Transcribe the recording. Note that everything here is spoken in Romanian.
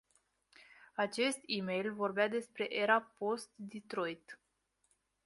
Acest email vorbea despre "era post-Detroit”.